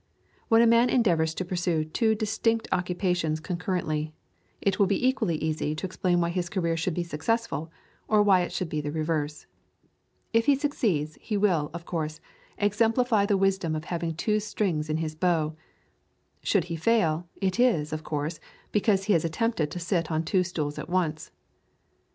When a man endeavours to pursue two distinct occupations concurrently, it will be equally easy to explain why his career should be successful, or why it should be the reverse. If he succeeds, he will, of course, exemplify the wisdom of having two strings to his bow. Should he fail, it is, of course, because he has attempted to sit on two stools at once.